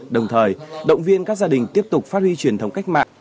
đồng thời động viên các gia đình tiếp tục phát huy truyền thống cách mạng